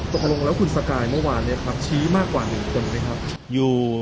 ตกลงแล้วคุณสกายเมื่อวานนี้ครับชี้มากกว่า๑คนไหมครับ